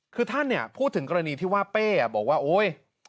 คือท่านเนี่ยพูดถึงกรณีที่ว่าเป้บอกว่าโอ๊ย